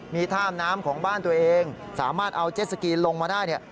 มีท่าน้ำของบ้านตัวเองสามารถเอาเจ็ดสกีลงมาได้เนี่ย